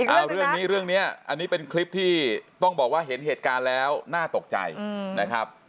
เอาเรื่องนี้เรื่องนี้อันนี้เป็นคลิปที่ต้องบอกว่าเห็นเหตุการณ์แล้วน่าตกใจนะครับ